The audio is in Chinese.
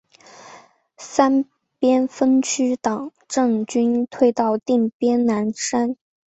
三边分区党政军退到定边南山。